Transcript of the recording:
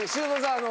あの。